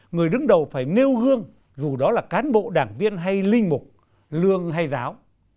người đứng đầu phải nêu gương dù đó là cán bộ đảng viên hay linh mục lương hay giáo